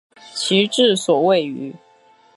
其治所位于。